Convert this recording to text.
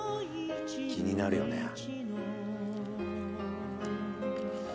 気になるよね